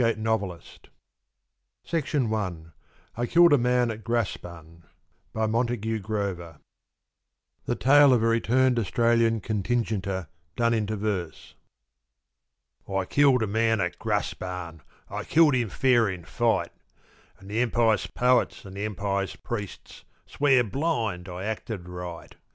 THE COO EE RECITER I KILLED A MAN AT GRASPAN. (The Tale of a Returned Australian Contingenter done into verse.) I killed a man at Graspan, I killed him fair in fight; And the Empire's poets and the Empire's priests Swear blind I acted right.